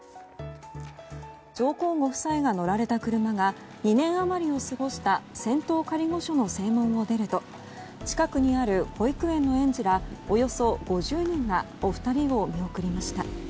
上皇ご夫妻が乗られた車が２年余りを過ごした仙洞仮御所の正門を出ると近くにある保育園の園児らおよそ５０人がお二人を見送りました。